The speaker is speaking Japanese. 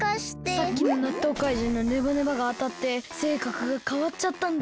さっきのなっとうかいじんのネバネバがあたってせいかくがかわっちゃったんだ。